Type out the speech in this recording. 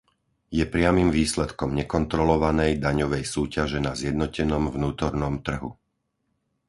Je priamym výsledkom nekontrolovanej daňovej súťaže na zjednotenom vnútornom trhu.